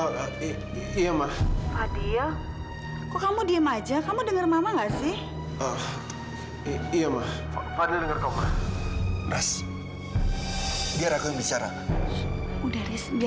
sampai jumpa di video selanjutnya